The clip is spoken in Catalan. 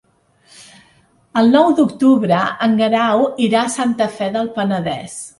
El nou d'octubre en Guerau irà a Santa Fe del Penedès.